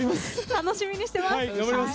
楽しみにしています。